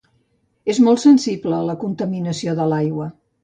És molt sensible a la contaminació de l'aigua.